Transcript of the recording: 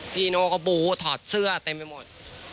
โน่ก็บูถอดเสื้อเต็มไปหมด